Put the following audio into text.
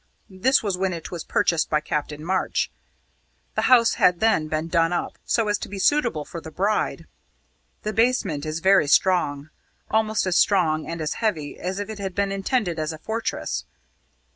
This was when it was purchased by Captain March. The house had then been done up, so as to be suitable for the bride. The basement is very strong, almost as strong and as heavy as if it had been intended as a fortress.